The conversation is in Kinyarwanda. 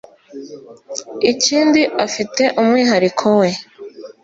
Ikindi afite umwihariko we